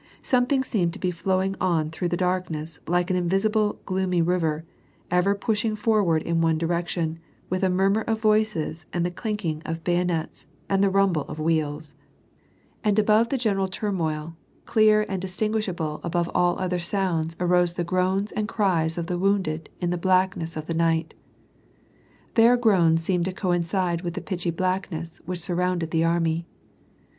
Something seemed to be flowing on through the darkness, like an invisible, gloomy river, ever pushing forward in one direction, with a murmur of voices, and the clinking of hayonets, and the rumble of wheels. » Golubchik. 234 IV AR AND PEACE, And above the general turmoil, clear and distinguishable above all other sounds arose the groans and cries of the wounded in the blackness of the night. Their groans seemed to coincide with the pitchy blackness which surrounded the army.